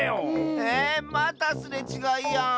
ええっまたすれちがいやん。